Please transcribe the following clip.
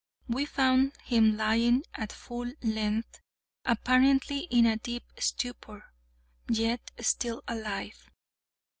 We found him lying at full length, apparently in a deep stupor, yet still alive.